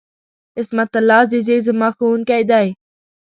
عصمت الله عزیزي ، زما ښوونکی دی.